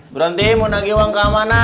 bu ranti mau nagih uang ke mana